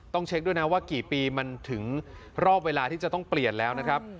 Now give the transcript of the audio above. เช็คด้วยนะว่ากี่ปีมันถึงรอบเวลาที่จะต้องเปลี่ยนแล้วนะครับ